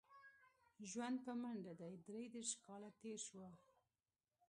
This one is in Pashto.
ژوند په منډه دی درې دېرش کاله تېر شول.